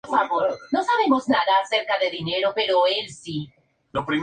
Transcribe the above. Fue alumna de Jorge Caballero, quien influyó en su formación.